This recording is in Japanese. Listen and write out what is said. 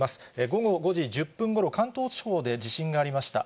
午後５時１０分ごろ、関東地方で地震がありました。